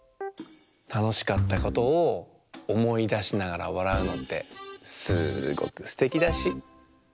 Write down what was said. たのしかったことをおもいだしながらわらうのってすごくすてきだし。